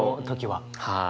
はい。